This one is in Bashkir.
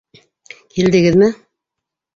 Килдегеҙме?